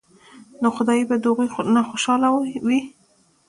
نو خدائے به د هغو نه خوشاله وي ـ